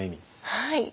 はい。